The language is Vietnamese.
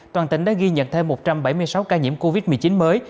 toàn tỉnh đã ghi nhận thêm một trăm bảy mươi sáu ca nhiễm covid một mươi chín mới